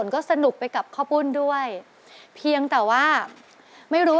ก็สอเขียบมา